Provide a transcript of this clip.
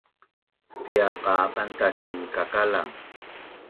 Piaq qa bantac ci kakalang?